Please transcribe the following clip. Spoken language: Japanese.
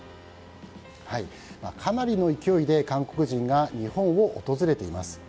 かなりの勢いで韓国人が日本を訪れています。